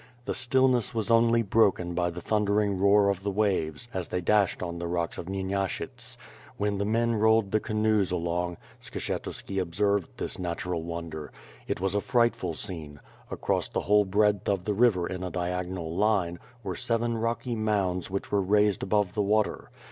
The stillness was only bn>kon by the thundering roar of the waves a? they dashed on the nH*ks of Xyenashyts. While the men rolled the canoes along, Skshetuski observed this natural wonder. It was a frightful soi»ne. Across the whole breadth of the river in a diagonal line, were seven rooky mounds vhieh were raised above the water.